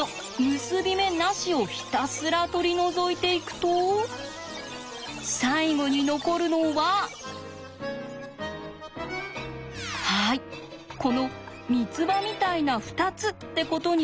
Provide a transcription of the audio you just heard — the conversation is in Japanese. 結び目なしをひたすら取り除いていくと最後に残るのははいこの三つ葉みたいな２つってことになるんです。